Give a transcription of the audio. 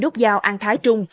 nước giao an thái trung